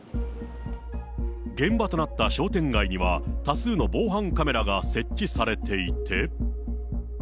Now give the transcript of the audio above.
現場となった商店街には、多数の防犯カメラが設置されていて。